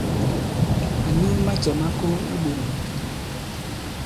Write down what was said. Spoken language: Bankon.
À niw macɛ̌ ma ko i iɓoŋ.